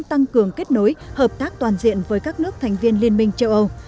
tăng cường kết nối hợp tác toàn diện với các nước thành viên liên minh châu âu